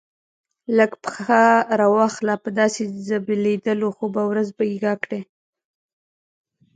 لږ پښه را واخله، په داسې ځبېدلو خو به ورځ بېګا کړې.